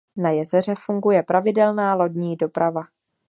Na jezeře funguje pravidelná lodní doprava.